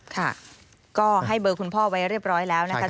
ค่ะก็ให้เบอร์คุณพ่อไว้เรียบร้อยแล้วนะคะ